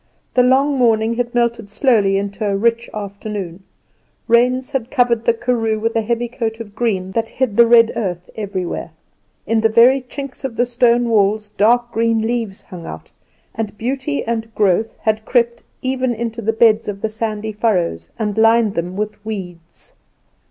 The long morning had melted slowly into a rich afternoon. Rains had covered the karoo with a heavy coat of green that hid the red earth everywhere. In the very chinks of the stone walls dark green leaves hung out, and beauty and growth had crept even into the beds of the sandy furrows and lined them with weeds.